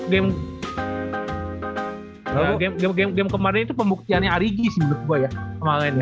game game game kemarin itu pembuktiannya arigi sih menurut gue ya kemarin ya